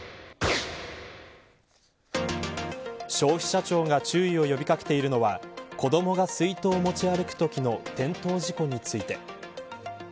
消費者庁が注意を呼び掛けているのは子どもが水筒を持ち歩くときの転倒事故について。